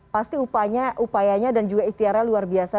pasti upayanya dan juga ikhtiarnya luar biasa